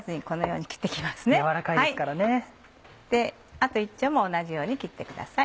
あと１丁も同じように切ってください。